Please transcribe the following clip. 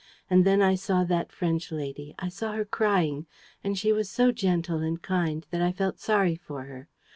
And then I saw that French lady, I saw her crying; and she was so gentle and kind that I felt sorry for her.